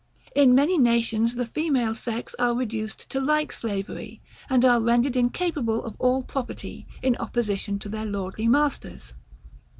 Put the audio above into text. In many nations, the female sex are reduced to like slavery, and are rendered incapable of all property, in opposition to their lordly masters.